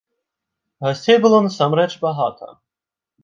Гасцей было насамрэч багата.